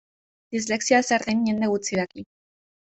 Dislexia zer den jende gutxik daki.